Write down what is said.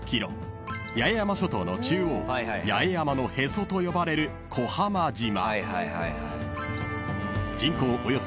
［八重山諸島の中央八重山のへそと呼ばれる小浜島］